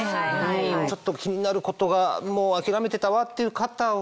ちょっと気になることがもう諦めてたわっていう方は。